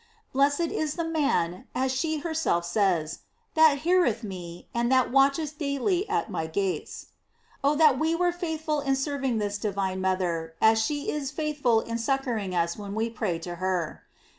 "Blessed is the man," as she herself says, "that heareth me, and that watcheth daily at my gates!"* Oh, that we were faithful in serving this divine mother, as she is faithful in succoring us when we pray to her!